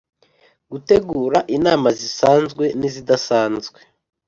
Gutegura inama zisanzwe n izidasanzwe